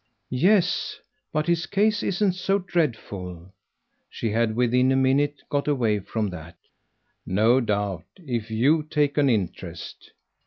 "Yes but his case isn't so dreadful." She had within a minute got away from that. "No doubt if YOU take an interest."